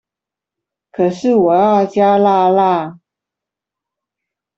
可是我要加辣辣